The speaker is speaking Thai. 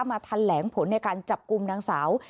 ทันแหลงผลในการจับกลุ่มนางสาว